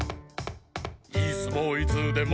「いすもいつでも」